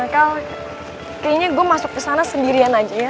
kalau kayaknya gue masuk kesana sendirian aja ya